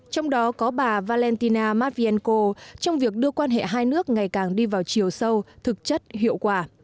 trong đó có bà valentina matvienko trong việc đưa quan hệ hai nước ngày càng đi vào chiều sâu thực chất hiệu quả